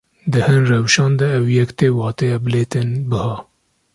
Di hin rewşan de ev yek tê wateya bilêtên biha.